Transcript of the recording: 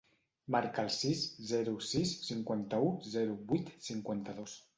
Marca el sis, zero, sis, cinquanta-u, zero, vuit, cinquanta-dos.